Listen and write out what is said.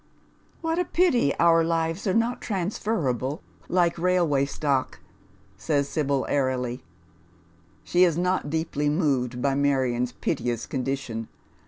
" What a pity our lives are not transferable like railway stock," says Sibyi, airily. She is not deeply moved by Marion's piteous condition.